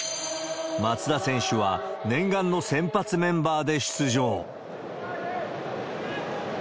松田選手は念願の先発メンバーで出場。